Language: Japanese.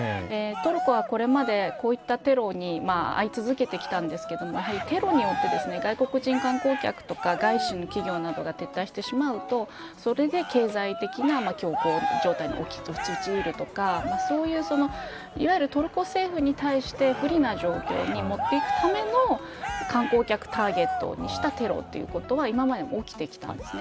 トルコはこれまでこういったテロに遭い続けてきたんですけどやはり、テロによって外国人観光客とか外資の企業などが撤退してしまうとそれで経済的な恐慌状態に陥るとかそういう、いわゆるトルコ政府に対して不利な状況にもっていくための観光客をターゲットにしたテロということは今までも起きてきたんです。